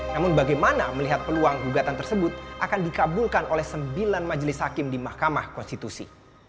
namun bagaimana melihat peluang gugatan tersebut akan dikabulkan oleh sembilan majelis hakim di mahkamah konstitusi